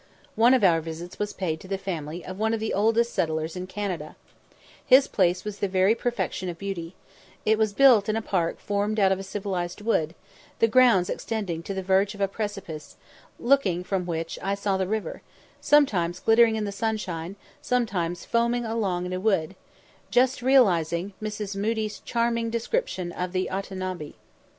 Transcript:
One of our visits was paid to the family of one of the oldest settlers in Canada. His place was the very perfection of beauty; it was built in a park formed out of a civilised wood, the grounds extending to the verge of a precipice, looking from which I saw the river, sometimes glittering in the sunshine, sometimes foaming along in a wood just realising Mrs. Moodie's charming description of the Otonabee.